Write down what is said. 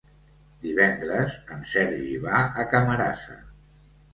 Divendres en Sergi va a Camarasa.